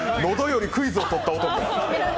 喉よりクイズをとった男。